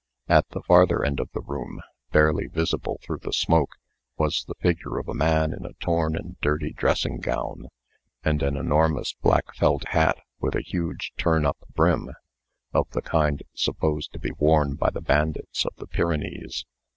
At the farther end of the room, barely visible through the smoke, was the figure of a man in a torn and dirty dressing gown, and an enormous black felt hat with a huge turn up brim, of the kind supposed to be worn by the bandits of the Pyrenees.